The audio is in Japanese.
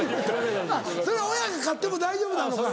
それは親が勝っても大丈夫なのか。